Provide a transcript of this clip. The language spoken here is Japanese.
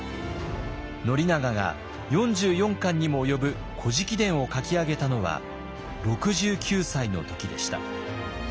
宣長が４４巻にも及ぶ「古事記伝」を書き上げたのは６９歳の時でした。